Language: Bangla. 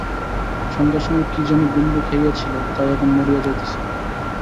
সন্ধ্যার সময় কী যেন বিন্দু খাইয়া ছিল, তাই এখন মরিয়া যাইতেছে।